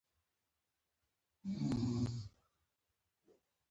د افریقا خلکو هم د هویت پر تله د سیاست کړې.